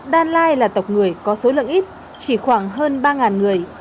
đa lai là tộc người có số lượng ít chỉ khoảng hơn ba người